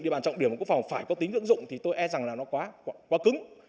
địa bàn trọng điểm của quốc phòng phải có tính ứng dụng thì tôi e rằng là nó quá cứng